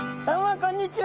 こんにちは。